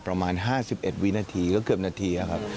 ประมาณ๕๑วินาทีก็เกือบนาทีครับ